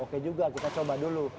oke juga kita coba dulu